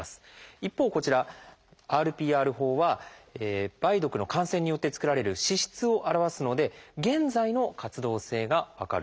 一方こちらＲＰＲ法は梅毒の感染によって作られる脂質を表すので現在の活動性が分かる。